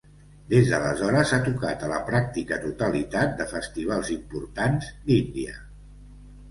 Des d'aleshores ha tocat a la pràctica totalitat de festivals importants d'Índia.